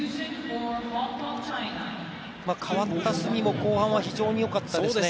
角も後半は非常によかったですよね。